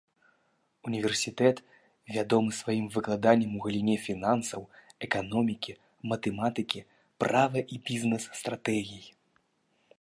Універсітэт вядомы сваім выкладаннем у галіне фінансаў, эканомікі, матэматыкі, права і бізнес-стратэгій.